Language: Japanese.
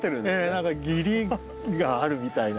何か義理があるみたいな。